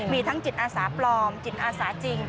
มีทั้งจิตอาสาปลอมจิตอาสาจริง